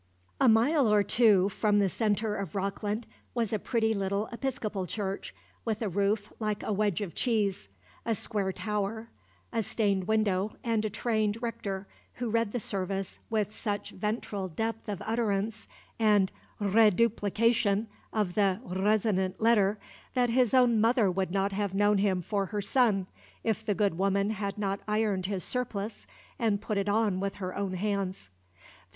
A mile or two from the centre of Rockland was a pretty little Episcopal church, with a roof like a wedge of cheese, a square tower, a stained window, and a trained rector, who read the service with such ventral depth of utterance and rrreduplication of the rrresonant letter, that his own mother would not have known him for her son, if the good woman had not ironed his surplice and put it on with her own hands.